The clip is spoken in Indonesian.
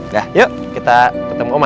dah yuk kita ketemu oma